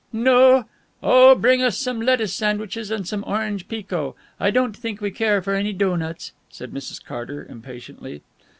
"No oh, bring us some lettuce sandwiches and some orange pekoe. I don't think we care for any doughnuts," said Mrs. Carter, impatiently.